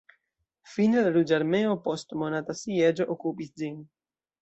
Fine la Ruĝa Armeo post monata sieĝo okupis ĝin.